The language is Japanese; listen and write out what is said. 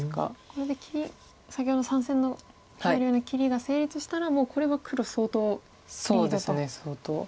これで先ほどの３線の切りが成立したらもうこれは黒相当リードと。